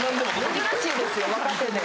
・珍しいですよ若手で。